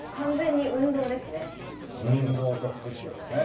運動と福祉だね。